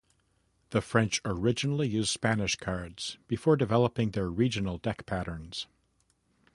The French originally used Spanish cards before developing their regional deck patterns.